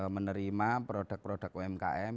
menerima produk produk umkm